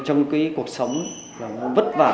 trong cuộc sống vất vả